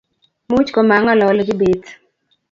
Much komangalali Kibet